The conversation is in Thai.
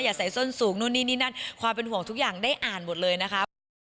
ใส่ส้นสูงนู่นนี่นี่นั่นความเป็นห่วงทุกอย่างได้อ่านหมดเลยนะคะ